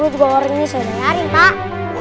dua puluh juga orangnya saya udah nyari pak